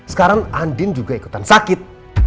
sekarang andin juga ikutan sakit